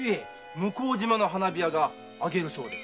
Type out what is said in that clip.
向島の花火屋が上げるそうです。